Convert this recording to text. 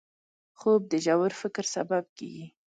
خوب د ژور فکر سبب کېږي